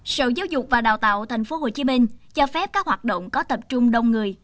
sở giáo dục và đào tạo tp hcm cho phép các hoạt động có tập trung đông người